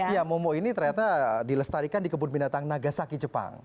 ya momo ini ternyata dilestarikan di kebun binatang nagasaki jepang